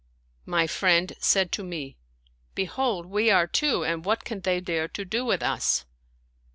My friend said to me, " Behold, we arc two, and what can they dare to do with us